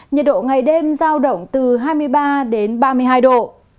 nhiệt độ ngày đêm giao động từ hai mươi ba đến ba mươi hai độ